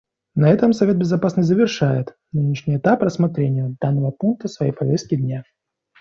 На этом Совет Безопасности завершает нынешний этап рассмотрения данного пункта своей повестки дня.